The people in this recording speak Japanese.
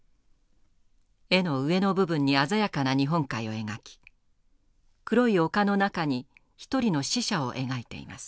絵の上の部分に鮮やかな日本海を描き黒い丘の中に一人の死者を描いています。